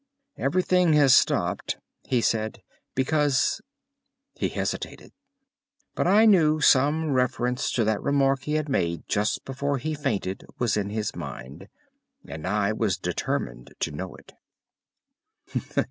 "Everything has stopped," he said, "because—" He hesitated. But I knew some reference to that remark he had made just before he fainted was in his mind, and I was determined to know it.